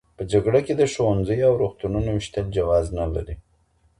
په جګړه کي د ښوونځیو او روغتونونو ویشتل جواز نه لري.